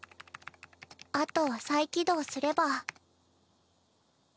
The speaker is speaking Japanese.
あとは再起動すれば。